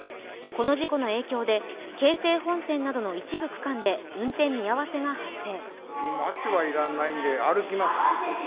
この事故の影響で京成本線などの一部区間で運転見合わせが発生。